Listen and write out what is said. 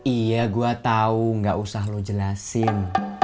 iya gue tau gak usah lo jelasin